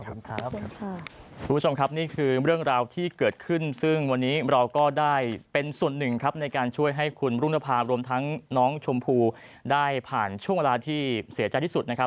คุณผู้ชมครับนี่คือเรื่องราวที่เกิดขึ้นซึ่งวันนี้เราก็ได้เป็นส่วนหนึ่งครับในการช่วยให้คุณรุ่งภาพรวมทั้งน้องชมพู่ได้ผ่านช่วงเวลาที่เสียใจที่สุดนะครับ